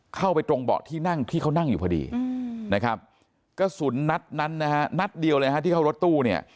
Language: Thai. เข้าไปตรงเบาะที่นั่งที่เขานั่งอยู่พอดีนะครับกระสุนนัดนั้นนะฮะนัดเดียวเลยฮะที่เข้ารถตู้เนี่ย